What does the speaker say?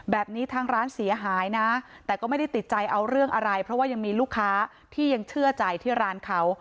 แบบนี้ทางร้านเสียหายนะแต่ก็ไม่ได้ติดใจเอาเรื่องอะไรเพราะว่ายังมีลูกค้าที่ยังเชื่อใจที่ร้านเขา